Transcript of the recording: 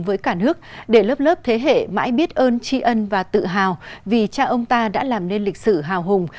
với cả nước để lớp lớp thế hệ mãi biết ơn tri ân và tự hào vì cha ông ta đã làm nên lịch sử hào hùng